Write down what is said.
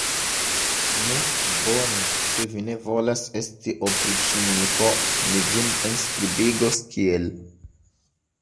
Nu, bone, se vi ne volas esti opriĉniko, mi vin enskribigos kiel.